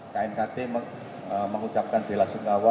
knkt mengucapkan bela sungawa